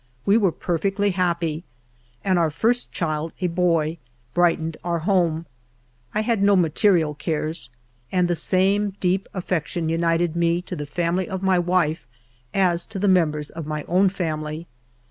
We were perfectly happy, and our first child, a boy, brightened our home ; I had no material cares, and the same deep affection united me to the family of my wife as to the members of my own family.